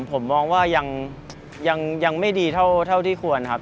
ผมมองว่ายังไม่ดีเท่าที่ควรครับ